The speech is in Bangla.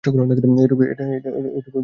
এটুকুই বলতে পারি, যান।